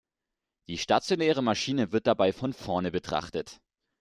Die stationäre Maschine wird dabei von vorne betrachtet.